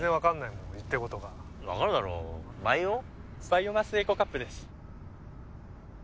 バイオマスエコカップです。